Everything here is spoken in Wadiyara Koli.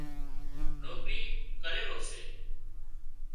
نوڪري ڪري رو سي